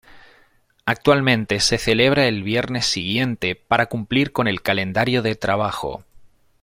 Actualmente se celebra el viernes siguiente para cumplir con el calendario de trabajo.